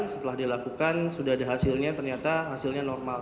setelah dilakukan sudah ada hasilnya ternyata hasilnya normal